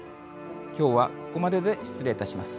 今日はここまでで失礼いたします。